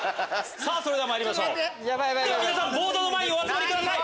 それではまいりましょうボードの前にお集まりください。